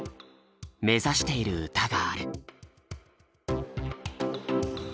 目指している歌がある。